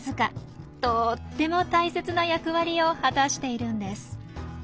とっても大切な役割を果たしているんです。